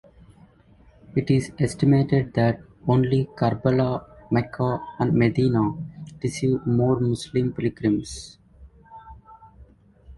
It is estimated that only Karbala, Mecca and Medina receive more Muslim pilgrims.